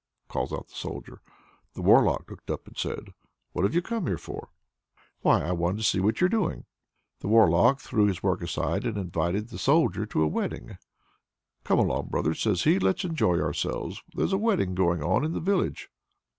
calls out the Soldier. The Warlock looked up and said: "What have you come here for?" "Why, I wanted to see what you're doing." The Warlock threw his work aside and invited the Soldier to a wedding. "Come along, brother," says he, "let's enjoy ourselves. There's a wedding going on in the village."